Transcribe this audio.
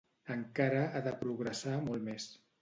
Encara ha de progressar molt més.